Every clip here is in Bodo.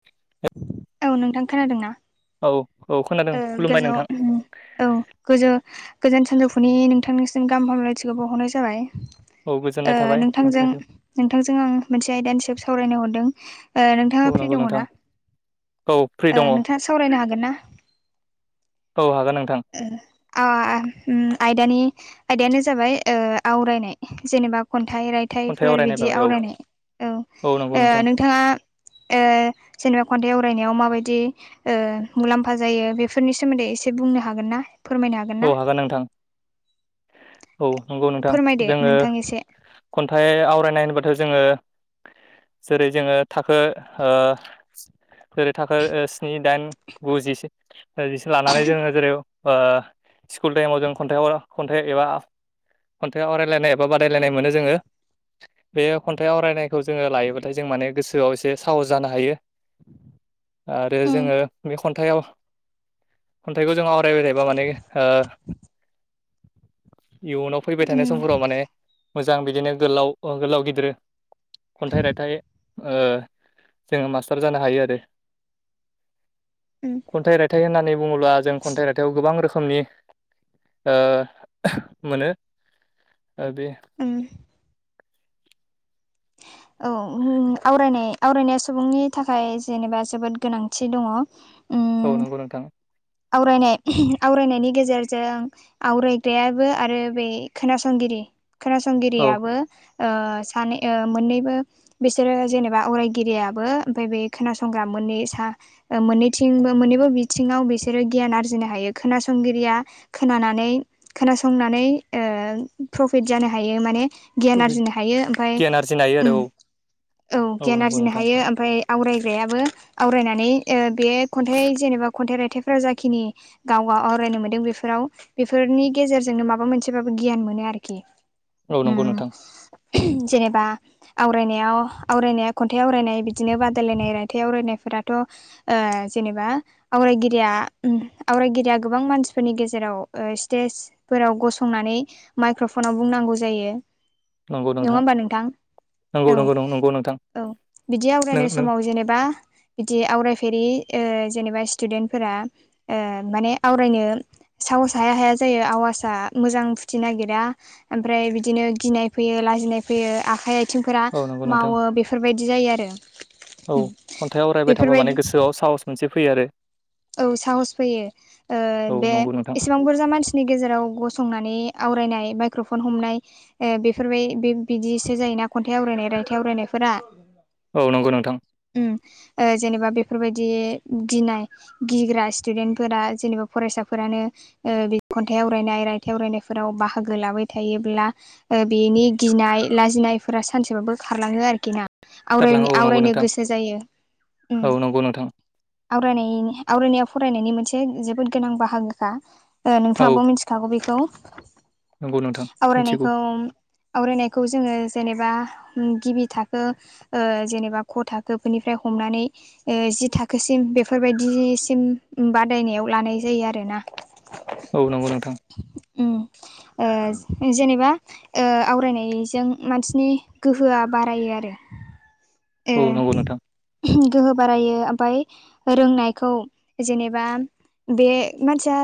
[unintelligible] औ नोंथां खोनादों ना? औ औ खोनादों खुलुमबाय नोंथां। औ गोजो गोजोन सानजौफुनि नोंथांनिसिम गाहाम हामलायथिखौ बावहरनाय जाबाय। औ गोजोननाय ओ थाबाय नोंथांजों नोंथांजों आं मोनसे आयदानि सायाव सावरायनो हरदों। ओ नोंथाङा औ फ्रि नंगौ नोंथां दङना औ फ्रि दङ ओ औ नोंथाङा सावरायनो हागोन ना? औ हागोन नोंथां। ओ ओम आयदानि आयदायानो जाबाय ओ जाबाय आवरायनाय जेनेबा खन्थाइ राय खन्थाइ थाइफोर आवरायनाय बिदि बागै औ आवरायनाय। औ नंगौ ओ नोंथां नोंथाङा ओ जेनेबा खन्थाइ आवरायनायाव मााबायदि ओ मुलाम्फा जायो बेफोरनि सोमोन्दै एसे बुंनो हागोन ना? फोरमायनो हागोन ना? औ नोंथां औ नंगौ नोंथां फोरमायदो जोङो नोंथां एसे खन्थाइ आवरायनाय होनोबाथ' जोङो जेरै जोङो थाखो ओ जेरै थाखो ओ स्नि दाइन गु जिसे जिसिम लानानै जोङो जेरै ओ स्कुल टाइमाव जों खन्थाइ आव खन्थाइ एबा खन्थाइ आवरायलायनाय एबा बादायलायनाय मोनो जोङो। बे खन्थाइ आवरायनायखौ जोङो लायोबाथाय जों माने गोसोआव एसे साहस जानो हायो। आरो उम जोङो बे खन्थाइआव खन्थाइखौ जों आवरायबाय थायोबा माने ओ इयुनाव फैबाय थानाय उम समफोराव माने मोजां बिदिनो गोलाव ओ गोलाव गिदिर खन्थाइ रायथाइ ओ जोङो मास्टार जानो हायो आरो। उम। खन्थाइ राइथाय होननानै बुङोब्ला जों खन्थाइ रायथाइयाव गोबां रो खोमनि मोनो बे ओम। औ उम आवरायनाय आवरायनाया सुबुंनि थाखाय जेनेबा जोबोद गोनांथि दङ। ओम। औ नंगौ नोंथां। आवरायनाय आवरायनायनि गेजेरजों आवरायग्रायाबो आरो बे खोनासंगिरि औ खोनासंगिरियाबो ओ सानै ओ मोननैबो बिसोरो जेनेबा आवरायगिरियाबो ओमफ्राय बे खोनासंग्रा मोनै सा ओ मोननैथिंबो मोननैबो बिथिङाव बेसो रो गियान आरजिनो हायो खोनासंगिरिया खोनानानै खोनासंनानै ओ प्रफिट जानो हायो माने गियान आर्जिनो हायो ओमफ्राय गियान आरजिनो हायो आरो ओम औ गियान आरजिनो हायो ओमफ्राय आवरायग्रायाबो आवरायनानै ओ बे खन्थाइ जेनेबा खन्थाइ रायथाइफोरा जाखिनि गाव आव-आवरायनो मोनदों बेफोराव बेफोरनि गेजेरजोंनो माबा मोनसेबाबो गियान मोनो आरोखि। औ नंगौ उम नोंथां। जेनेबा आवरायनायाव आवरायनाया खन्थाइ आवरायनाय बिदिनो बादायलायनाय रायथाइ आवरायनायफोराथ' ओ जेनेबा आवरायगिरिया ओम आवरायगिरिया गोबां मानसिफोरनि गेजेराव ओ स्टेजफोराव गसंनानै माइक्र'फनाव बुंनांगौ जायो नङा होमबा नोंथां? नंगौ औ नंगौ नंगौ नोंथां औ बिदि नों आवरायनाय नों समाव जेनेबा बिदि आवरायफेरि ओ जेनेबा स्टुडेन्टफोरा ओ माने आवरायनो साहस हाया हाया जायो आवाजआ मोजां फुथि नागिरा ओमफ्राय बिदिनो गिनाय फैयो लाजिनाय फैयो आखाइ आय थिंफोरा औ नंगौ नोंथां मावो बेफोरबायदि जायो आरो। औ खन्थाइ आवरायबाय थाबा माने बेफोरबायदि गोसोआव साहस मोनसे फैयो आरो। औ साहस फैयो ओ औ बे नंगौ नोंथां एसेबां बुरजा मानसि नि गेजेराव गसंनानै आवरायनाय माइक्र'फन हमनाय ए बेफोरबाय बे बिदिसो जायोना खन्थाइ आवरायनाय रायथाइ आवरायनायफोरा। औ नंगौ नोंथां। ओम ओ जेनेबा बेफोरबायदि गिनाय गिग्रा स्टुडेन्टफोरा जेनेबा फरायसाफोरानो ओ बे खन्थाइ आवरायनाय, रायथाइ आवरायनायफोराव बाहागो लाबाय थायोब्ला ओ बेनि गिनाय लाजिनायफोरा सानसेबाबो खारलाङो आरोखि ना। गारलाङो आवरायनो औ नंगौ आवरायनो नोंथां गोसो जायो ओम। औ नंगौ नोंथां आवरायनायनि आवरायनाया फरायनायनि मोनसे जोबोद गोनां बाहागोखा। ओ औ नोंथाङाबो मिथिखागौ बेखौ नंगौ नोंथां मिथिगौ आवरायनायखौ आवरायनायखौ जोङो जेनेबा गिबि थाखो ओ जेनेबा ख' था खोनिफ्राय हमनानै ओ जि थाखोसिम बेफोरबायदिसिम बादायनायाव लानाय जायो आरोना। औ नंगौ नोंथां। उम ओ जेनेबा ओ आवरायनायजों मानसिनि गोहोआ बारायो आरो। ओ औ नंगौ नोंथां। गोहो बारायो ओमफाय रोंनायखौ जेनेबा बे मानसिया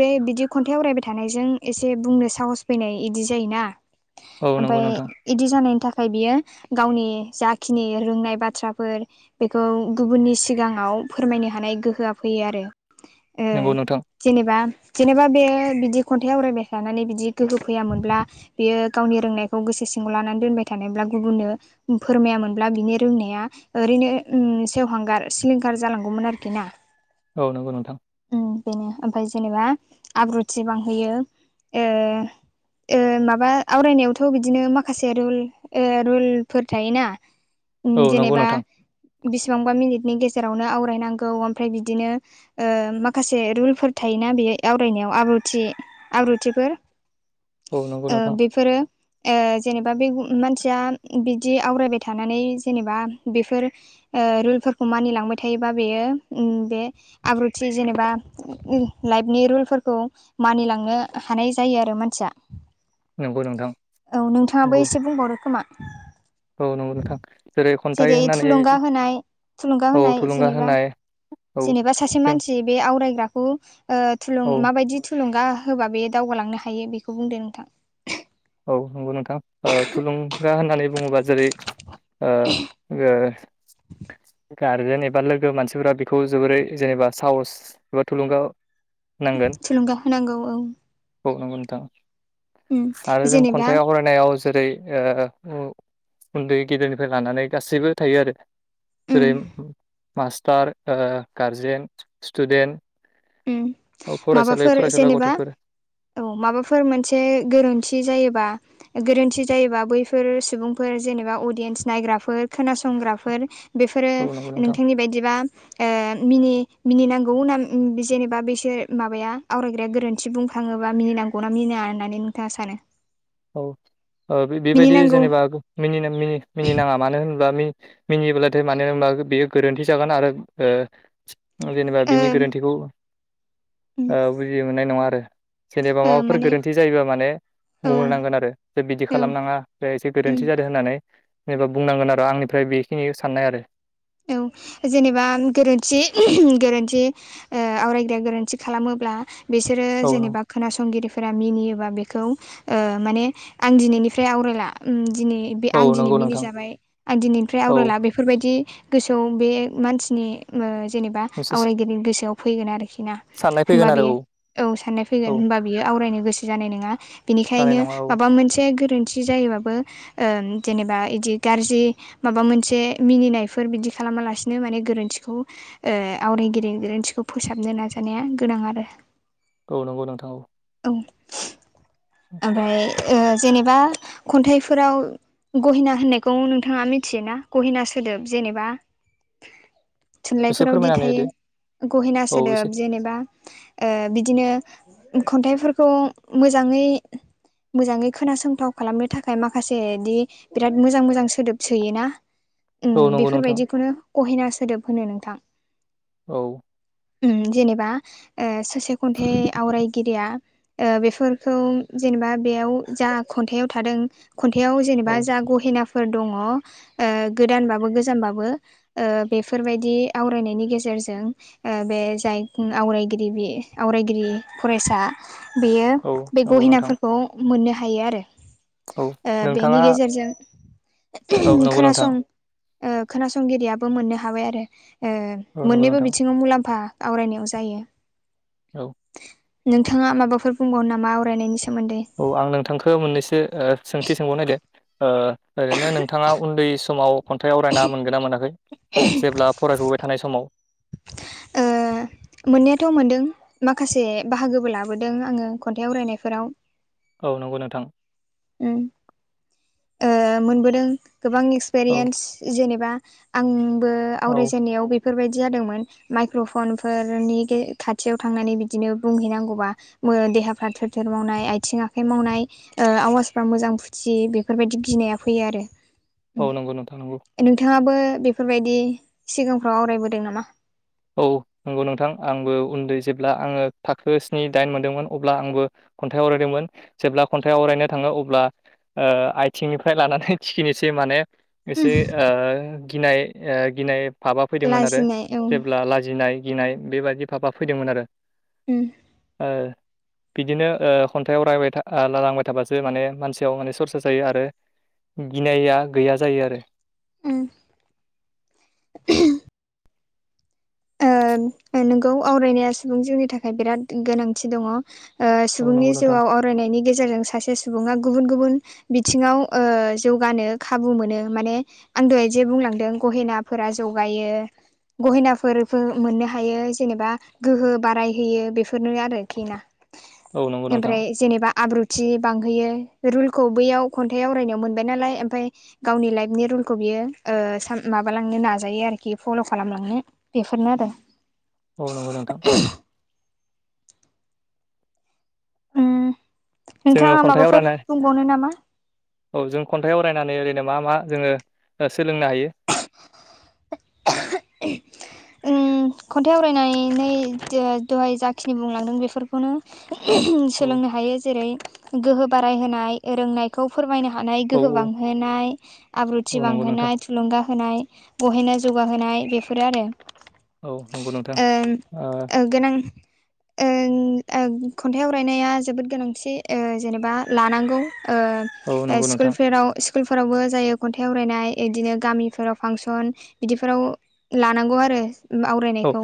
बे बिदि खन्थाइ आवरायबाय थानायजों एसे बुंनो साहस फैनाय इदि जायोना। औ नंगौ ओमफाय नोंथां इदि जानायनि थाखाय बियो गावनि जाखिनि रोंनाय बाथ थ्राफोर बेखौ गुबुननि सिगाङाव फोरमायनो हानाय गोहोआ फैयो आरो। ओ नंगौ नोंथां। जेनेबा जेनेबा बे बिदि खन्थाइ आवरायबाय थानानै बिदि गोहो फैयामोनब्ला बेयो गावनि रोंनायखौ गोसो सिङाव लानानै दोनबाय थानायब्ला गुबुननो फोरमायामोनब्ला बिनि रोंनाया ओरैनो उम सेवहांगार सिलिंखार जालांगौमोन आरोखि ना। औ नंगौ नोंथां। ओम बेनो। ओमफ्राय जेनेबा आब्रुथि बांहोयो ओ ओ माबा आवरायनायावथ' बिदिनो माखासे रुल ओ रुलफोर थायोना उम औ नंगौ जेनेबा नोंथां बिसिबांबा मिनिटनि गेजेरावनो आवरायनांगौ ओमफ्राय बिदिनो ओ माखासे रुलफोर थायोना, बेयो आवरायनायाव आब्रुथि आब्रुथिफोर औ नंगौ ओ नोंथां बेफोरो ओ जेनेबा बे मानसिया बिदि आवरायबाय थानानै जेनेबा बेफोर ओ रुलफोरखौ मानिलांबाय थायोबा, बेयो उम बे आब्रुथि जेनेबा उम लाइफनि रुलफोरखौ मानिलांनो हानाय जायो आरो मानसिया। नंगौ नोंथां औ नोंथाङाबो नंगौ एसे बुंबावदो खोमा। औ नंगौ नोंथां। खन्थाइ जेरै होननानै थुलुंगा होनाय थुलुंगा औ होनाय थुलुंगा जेनेबा होनाय औ जेनेबा सासे जों मानसि बे आवरायग्राखौ ओ थुलुं औ माबायदि थुलुंगा होबा बेयो दावगालांनो हायो बेखौ बुंदो नोंथां। औ नंगौ नोंथां। ओ थुलुंगा होननानै बुङोबा जेरै ओ ओ गारजेन एबा लोगो मानसिफोरा बेखौ जोबोरै जेनेबा साहस एबा थुलुंगा नांगोन थुलुंगा होनांगौ औ। औ नोंगौ नोंथां। उम आरो जों जेनेबा खन्थाइ आवराय नायाव जेरै ओ उ-उन्दै गेदेरनिफ्राय लानानै गासैबो थायो आरो। उम जेरै मास्टार ओ गारजेन, स्टुडेन्ट उम औ फरायसालि माबाफोर फरायसाला जेनेबा गथ'फोर औ माबाफोर मोनसे गोरोन्थि जायोबा गोरोन्थि जायोबा बैफोर सुबुंफोर जेनेबा अडियेन्स नायग्राफोर खोनासंग्राफोर बेफोरो औ नंगौ नोंथां नोंथांनि बायदिबा मिनि मिनिनांगौ ना? जेनेबा बिसोर माबाया आवरायग्राया गोरोन्थि बुंखाङोबा मिनिनांगौनाा मिनिनाङा होननानै नोंथाङा सानो? औ औ बेबायदि मिनिनांगौ जेनेबा मिनिनि मिनि नाङा मानो होनोबा मिनियोब्लाथाय मानो होनबा बेयो गोरोन्थि जागोन आरो। ओ जेनेबा बिनि गोरोन्थिखौ ओ बुजि मोननाय नङा आरो। जेनेबा ओ माबाफोर माने गोरोन्थि जायोबा माने औ बुंहरनांगोन आरो जे बिदि औ खालामनाङा बे एसे उम गोरोन्थि जादों होननानै जेनेबा बुंनांगोन आरो आंनिफ्राय बेखिनि साननाय आरो। औ जेनेबा गोरोन्थि गोरोन्थि ओ आवरायग्राया गोरोन्थि खालामोब्ला बिसोरो औ नों जेनेबा खोनासंगिरि फोर मिनियोबा बेखौ माने आं दिनैनिफ्राय आवरायला दिनै बे औ आं दिनै नंगौ नोंथां मिनिजाबाय आं दिनैनिफ्राय औ आवगायला बेफोरबायदि गोसोआव बे मानसिनि जेनेबा मोनसे आवरायगिरिनि गोसोआव फैगोन आरोखि ना। साननाय होमबा फैगोन आरो बेयो औ। औ साननाय फैगोन औ होनबा बियो आवरायनो गोसो जानाय नङा जानाय बेनिखायनो नङा औ माबा मोनसे गोरोन्थि जि जायोबाबो गारजि माबा मोनसे बेफोर बिदि खालामालासिनो माने गोरोन्थिखौ आवरायगिरि गोरोन्थिखौ फोसाबनो नाजानाया गोनां आरो। औ नंगौ नोंथां औ। औ ओमफ्राय जेनेबा खन्थाइफोराव गहिना होननायखौ नोंथाङा मिथियोना गहिना सोदोब जेनेबा एसे थुनलाइफोरावदि फोरमायनानै होदो थायो गहेना औ एसे सोदोब जेनेबा बिदिनो खन्थाइफोरखौ मोजाङै मोजाङै खोनासंथाव खालामनो थाखाय माखासे बिदि बिराद मोजां मोजां सोदोब सोयोना औ नंगौ नोंथां। बेखौनो अहेना सोदोब होनो नोंथां। औ जेनेबा सासे खन्थाइ आवरायगिरिया बेफोरखौ जेनेबा बेयाव जा खन्थाइयाव थादों। खन्थाइाव औ जेनेबा जा गहेनाफोर दङ गोदानबाबो गोजामबाबो बेफोरबायदि आवरायनायनि गेजेरजों बे जाय आवरायगिरि आवरायगिरि फरायसा बेयो औ बे नंगौ नोंथां गहिनाफोरखौ मोननो हायो आरो। औ बेनि नोंथाङा औ गेजेरजों नंगौ नोंथां खोनासं खोनासंगिरियाबो मोननो हाबाय आरो औ नंगौ मोननैबो नोंथां बिथिङाव मुलाम्फा आवरायनायाव जायो। औ नोंथाङा माबाफोर बुंबावो नामा आवरायनायनि सोमोन्दै? औ आं नोंथांखौ मोननैसो सोंथि सोंबावनो नदो- ओरैनो नोंथाङा उन्दै समाव खन्थाइ आवरायना मोनगोन ना मोनाखै जेब्ला फरायसुबाय थानाय समाव-? ओ मोननायाथ' मोनदों माखासे बाहागोबो लाबोदों आङो खन्थाइ आवरायनायफोराव। औ नंगौ नोंथां। मोनबोदों गोबां औ एक्सपिरियेन्स जेनेबा आंबो औ आवरायजेननायाव बे बेफोरबायदि जादोंमोन माइक्र'फनफोरनि खाथियाव थांनानै बिदिनो बुंहैनांगौबा देहाफ्रा थेर थेर मावनाय आथिं आखाइ मावनाय आवाजफ्रा मोजां फुथियो बे। बेफोरबायदि गिनाया फैयोआरो। औ नंगौ नोंथां नगौ। नोंथाङाबो बेफोरबायदि सिगांफ्राव आवरायबोदों नामा? औ नंगौ नोंथां आंबो उन्दै जेब्ला आङो थाखो स्नि दाइन मोन्दोंमोन अब्ला आंबो खन्थाइ आवरायदोंमोन जेब्ला खन्थाइ आवरायनो थाङो अब्ला ओ आइथिंनिफ्राय लानानै थिखिनिसै माने एसे ओ गिनाय ओ गिनाय भाबा फैदोंमोनआरो। लाजिनाय औ जेब्ला लाजिनाय गिनाय बेबायाददि भाबा फैदोंमोन आरो। उम। ओ बिदिनो ओ खन्थाइ आवरायबाय था लांबाय थाबासो माने मानसियाव माने सरसा जायो आरो। गिनाया गैया जायो आरो। उम ओ नोंगौ आवरायनाया सुबुं जोंनि थाखाय बिराद गोनांथि दङ'। ओ औ सुबुंनि नंगौ नोंथां जिउआव आवरायनायनि गेजेरजों सासे सुबुङा गुबुन गुबुन बिथिङाव ओ जौगानो खाबु मोनो माने आं दहाय जे बुंलांदों गहेनाफोरा जगायो गहेनाफोर मोननो हायो जेनेबा गोहो बारायहोयो बेफोरनो आरोखि ना? औ नंगौ नोंथां ओमफ्राय जेनेबा आब्रु थि बांहोयो रुलखौ बैयाव खन्थाइ आवरायनायाव मोनबाय नालाय ओमफ्राय गावनि लाइफनि रुलखौ बियो ओ साम माबालांनो नाजायो आरोखि फल' खालामलांनो। बेफोरनो आरो औ नंगौ नोंथां। उम जोङो नोंथाङा खन्थाइ माबाफोर आवरायनाय बुंबावनो नामा? औ जों खन्थाइ आरायनानै ओरैनो मा मा जोङो सोलोंनो हायो। उम खन्थाइ आवरायनानै दहाय जाखिनि बुंलांदों बेफोर खौनो औ सोलोंनो हायो जेरै गोहो बाराय होनाय रोंनाय। खौ फोरमायनो हानाय औ गोहो बांहोनाय, आब्रुथि औ नंगौ नोंथां बांहोनाय थुलुंगा होनाय बहायनो जौगाहोनाय बेफोरोआरो। औ नंगौ नोंथां ओ ओ गोनां ओ ओ खन्थाइ आरायनाया जोबोद गोनांथि ओ जेनेबा लानांगौ ओ औ ओ नंगौ नोंथां स्कुल फोराव स्कुलफोरावबो जायो खन्थाइ आवरायनाय बिदिनो गामिफोराव फांसन बिदिफोराव लानांगौ आरो औ आवरायनायखौ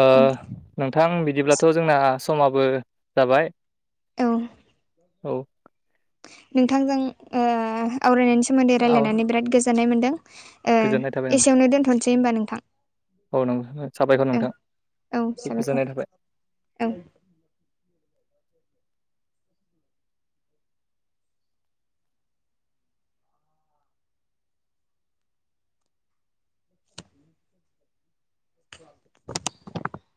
ओ नोंथां बिदिब्लाथ' जोंना समाबो जाबाय। औ औ नोंथांजों ओ आवरायनायनि सोमोन्दै औ रायलायनानै बिराद गोजोननाय मोन्दों। ओ गोजोननाय थाबाय नोंथां एसेयावनो दोनथ'नोसै होमबा नोंथां। औ नों साबायखर औ नोंथां औ गोजोननाय साबायखर थाबाय। औ [inaudible]